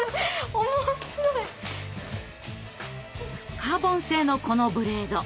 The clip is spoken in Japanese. カーボン製のこのブレード。